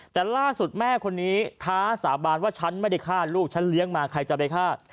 แต่ล่าสุดแม่คนนี้ท้าสาบานว่าฉันไม่ได้ฆ่าลูกฉันเลี้ยงมาใครจะไปฆ่า